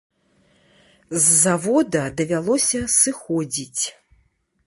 З завода давялося сыходзіць.